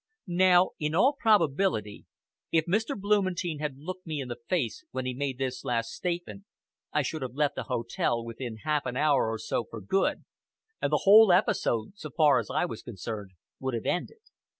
Now, in all probability, if Mr. Blumentein had looked me in the face when he made this last statement, I should have left the hotel within half an hour or so for good, and the whole episode, so far as I was concerned, would have been ended.